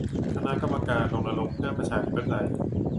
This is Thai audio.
คณะกรรมการรณรงค์เพื่อประชาธิปไตย